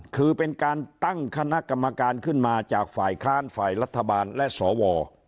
คือเป็นการตั้งคณะกรรมการขึ้นมาจากฝ่ายค้านฝ่ายรัฐบาลและสว